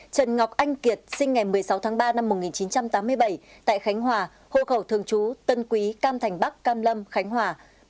trần ngọc anh kiệt sinh ngày một mươi sáu tháng ba năm một nghìn chín trăm tám mươi bảy tại khánh hòa hộ khẩu thường trú tân quý cam thành bắc cam lâm khánh hòa